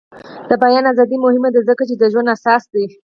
د بیان ازادي مهمه ده ځکه چې د ژوند اساس دی.